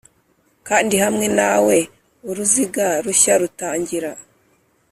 kandi hamwe nawe uruziga rushya rutangira